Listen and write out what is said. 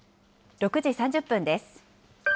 ６時３０分です。